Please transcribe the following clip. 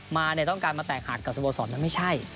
ต้องการมาแตกหักกับสโมสรมันไม่ใช่